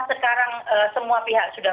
sekarang semua pihak sudah